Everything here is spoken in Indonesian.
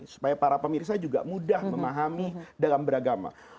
supaya para pemirsa juga mudah memahami dalam beragama